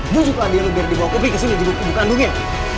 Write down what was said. bujuk ke adek lo biar dibawa ke pi kesini dibutuhkan dunia